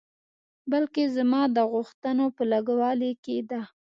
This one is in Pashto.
بلکې زما د غوښتنو په لږوالي کې ده.